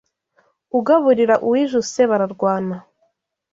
Ugaburira uwijuse bararwana